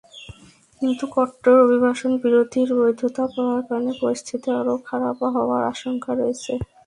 কিন্তু কট্টর অভিবাসনবিরোধীরা বৈধতা পাওয়ার কারণে পরিস্থিতি আরও খারাপ হওয়ার আশঙ্কা রয়েছে।